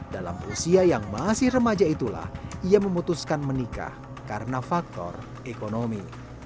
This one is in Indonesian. dalam usia yang masih remaja itulah ia memutuskan menikah karena faktor ekonomi